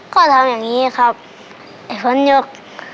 ก็ทำอย่างนี้ครับไอ้พ้นหยก